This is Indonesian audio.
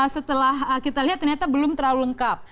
setelah kita lihat ternyata belum terlalu lengkap